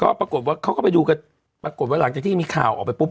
ก็ปรากฏว่าเขาก็ไปดูกันปรากฏว่าหลังจากที่มีข่าวออกไปปุ๊บ